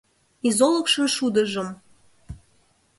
Изолыкшын шудыжым